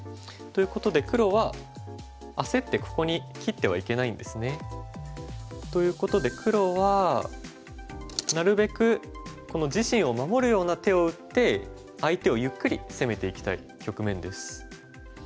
ということで黒は焦ってここに切ってはいけないんですね。ということで黒はなるべくこの自身を守るような手を打って相手をゆっくり攻めていきたい局面です。